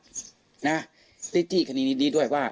จี๊กจี๊กคนนี้ดีด้วยว่า